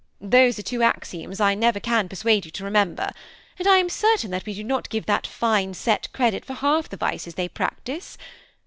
Those are two axioms I never can persuade you to remember ; and I am cer tain that we do not give that fine set credit for half the vices they practise.